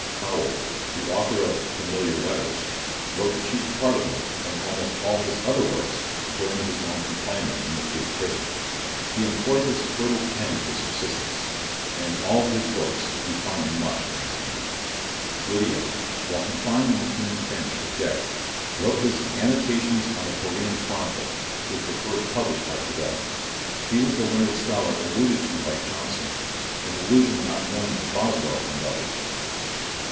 Howell, the author of "Familiar Letters," wrote the chief part of them, and almost all his other works, during his long confinement in the Fleet prison: he employed his fertile pen for subsistence; and in all his books we find much entertainment. Lydiat, while confined in the King's Bench for debt, wrote his Annotations on the Parian Chronicle, which were first published by Prideaux. He was the learned scholar alluded to by Johnson; an allusion not known to Boswell and others.